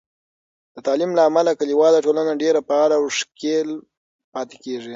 د تعلیم له امله، کلیواله ټولنه ډیر فعاله او ښکیل پاتې کېږي.